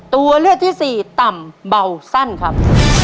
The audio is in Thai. ตัวเลือกที่สี่ต่ำเบาสั้นครับ